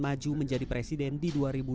maju menjadi presiden di dua ribu dua puluh